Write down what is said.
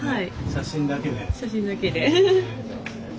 写真だけで。